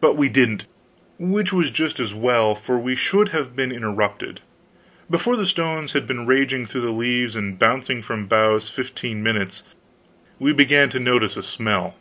But we didn't; which was just as well, for we should have been interrupted. Before the stones had been raging through the leaves and bouncing from the boughs fifteen minutes, we began to notice a smell.